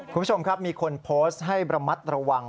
คุณผู้ชมครับมีคนโพสต์ให้ระมัดระวัง